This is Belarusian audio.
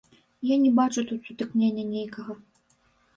Я не бачу тут сутыкнення нейкага.